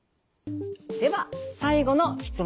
では最後の質問